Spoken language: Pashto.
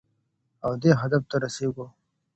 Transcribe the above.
او دې هدف ته رسېږو.